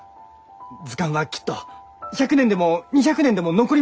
図鑑はきっと１００年でも２００年でも残りますき！